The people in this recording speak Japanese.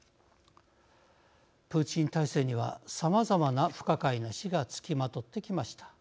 プーチン体制には、さまざまな不可解な死が付きまとってきました。